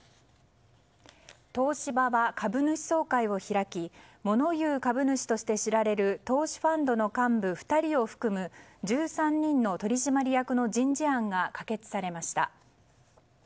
東芝は、株主総会を開きモノ言う株主として知られる投資ファンドの幹部２人を含む１３人の取締役の人事案が可決されました。